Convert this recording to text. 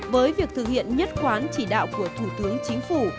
với việc thực hiện nhất quán chỉ đạo của thủ tướng chính phủ